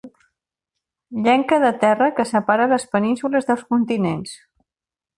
Llenca de terra que separa les penínsules dels continents.